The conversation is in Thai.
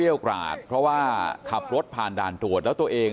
มีกล้วยติดอยู่ใต้ท้องเดี๋ยวพี่ขอบคุณ